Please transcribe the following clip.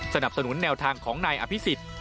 สนับสนุนแนวทางของนายอภิษฎ